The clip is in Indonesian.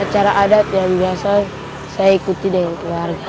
acara adat yang biasa saya ikuti dengan keluarga